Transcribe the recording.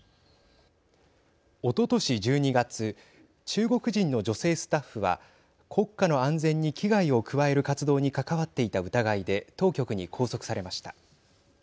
おととし１２月中国人の女性スタッフは国家の安全に危害を加える活動に関わっていた疑いで当局に拘束されました。